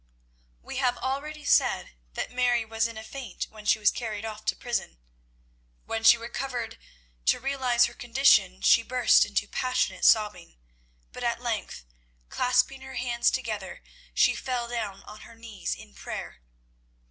We have already said that Mary was in a faint when she was carried off to prison. When she recovered to realise her condition, she burst into passionate sobbing, but at length, clasping her hands together, she fell down on her knees in prayer.